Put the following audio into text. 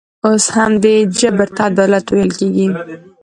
اوس همدې جبر ته عدالت ویل کېږي.